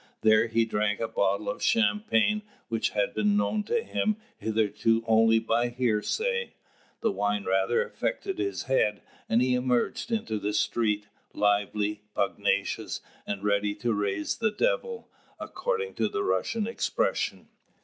There he drank a bottle of champagne, which had been known to him hitherto only by hearsay. The wine rather affected his head; and he emerged into the street, lively, pugnacious, and ready to raise the Devil, according to the Russian expression.